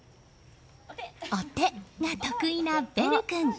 お手が得意なベル君。